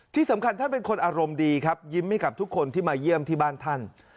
ที่สำคัญท่านเป็นคนอารมณ์ดีครับยิ้มให้กับทุกคนที่มาเยี่ยมที่บ้านท่าน